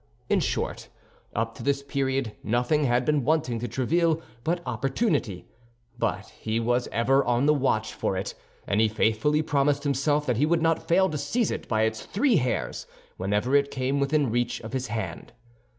In short, up to this period nothing had been wanting to Tréville but opportunity; but he was ever on the watch for it, and he faithfully promised himself that he would not fail to seize it by its three hairs whenever it came within reach of his hand.